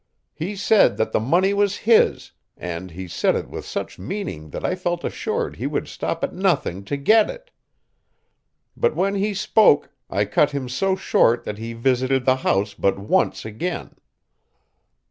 He said that the money was his, and he said it with such meaning that I felt assured he would stop at nothing to get it. But when he spoke, I cut him so short that he visited the house but once again.